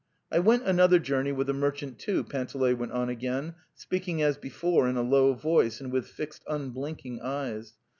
'"'T went another journey with a merchant, too, .." Panteley went on again, speaking as before in a low voice and with fixed unblinking eyes.